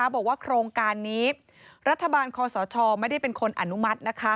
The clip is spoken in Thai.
บอกว่าโครงการนี้รัฐบาลคอสชไม่ได้เป็นคนอนุมัติ